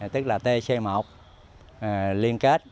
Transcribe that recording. tức là tc một liên kết